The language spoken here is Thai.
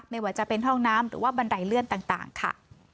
ไม่ว่าจะเป็นห้องน้ำหรือว่าบันไดเลื่อนต่างค่ะ